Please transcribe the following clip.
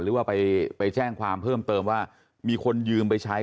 หรือว่าไปแจ้งความเพิ่มเติมว่ามีคนยืมไปใช้